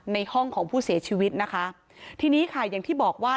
ในห้องของผู้เสียชีวิตนะคะทีนี้ค่ะอย่างที่บอกว่า